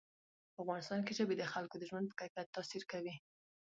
په افغانستان کې ژبې د خلکو د ژوند په کیفیت تاثیر کوي.